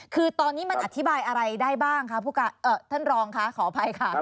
คือตอนนี้มันอธิบายอะไรได้บ้างคะท่านรองค่ะขออภัยค่ะ